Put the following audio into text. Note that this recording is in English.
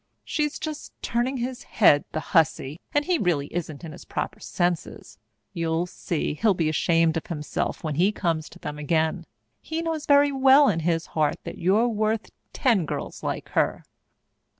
"She's just turning his head, the hussy, and he isn't really in his proper senses. You'll see, he'll be ashamed of himself when he comes to them again. He knows very well in his heart that you're worth ten girls like her."